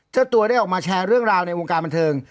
เจ้าตัวได้ออกมาแชร์เรื่องราวในวงการบันเทิง